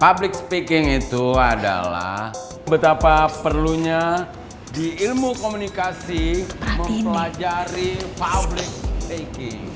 public speaking itu adalah betapa perlunya di ilmu komunikasi mempelajari public trekking